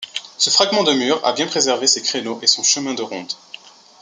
Ce fragment de mur a bien préservé ses créneaux et son chemin de ronde.